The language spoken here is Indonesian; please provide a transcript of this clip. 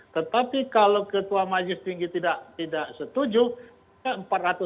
tetapi kalau ketua majelis tinggi tidak setuju